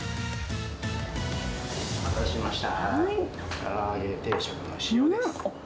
お待たせしました。